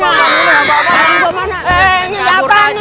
eh ini datang nih